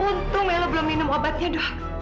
untung ya lo belum minum obatnya dok